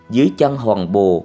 dưới chân hoàng bồ